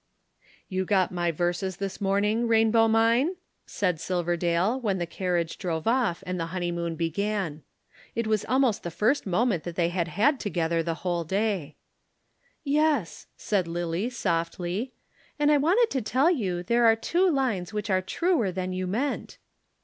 "You got my verses this morning, Rainbow mine?" said Silverdale, when the carriage drove off, and the honeymoon began. It was almost the first moment they had had together the whole day. "Yes," said Lillie softly. "And I wanted to tell you there are two lines which are truer than you meant."